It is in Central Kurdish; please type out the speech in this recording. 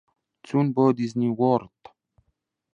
چوون بۆ دیزنی وۆرڵد.